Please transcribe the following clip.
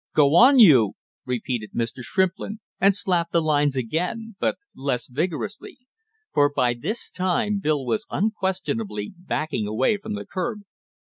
"Go on, you!" repeated Mr. Shrimplin and slapped the lines again, but less vigorously, for by this time Bill was unquestionably backing away from the curb.